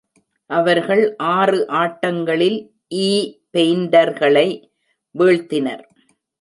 அவர்கள் ஆறு ஆட்டங்களில் ஈ-பெயிண்டர்களை வீழ்த்தினர்.